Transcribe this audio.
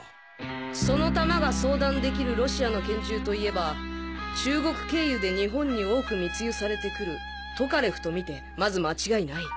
その弾が装弾できるロシアの拳銃といえば中国経由で日本に多く密輸されてくるトカレフと見てまず間違いない。